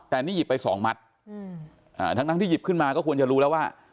แต่นี่หยิบไปสองมัดทั้งที่หยิบขึ้นมาก็ควรจะรู้แล้วว่า